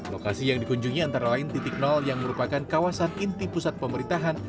lokasi yang dikunjungi antara lain titik nol yang merupakan kawasan inti pusat pemerintahan